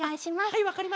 はい！